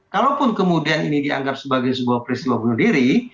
kalaupun kemudian ini dianggap sebagai sebuah peristiwa bunuh diri